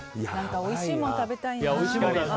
おいしいもの食べたいな。